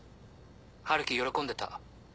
春樹喜んでた。